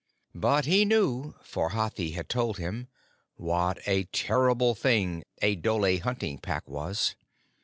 But he knew, for Hathi had told him, what a terrible thing a dhole hunting pack was.